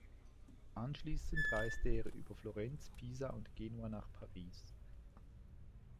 Anschließend reiste er über Florenz, Pisa und Genua nach Paris.